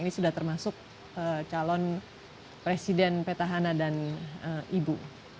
ini sudah termasuk calon presiden petahana dan ibu